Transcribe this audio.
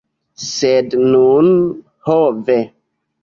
Sed nun, ho ve!